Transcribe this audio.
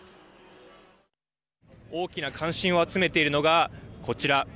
大きな関心を集めているのがこちら。